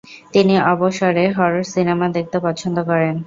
তিনি অবসরে horror cinema দেখতে পছন্দ করেন।